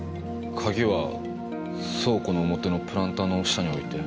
鍵は倉庫の表のプランターの下に置いて。